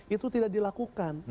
itu tidak dilakukan